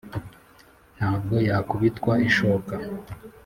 ntabwo yakubitwa ishoka